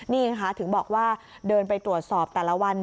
นี่ไงคะถึงบอกว่าเดินไปตรวจสอบแต่ละวัน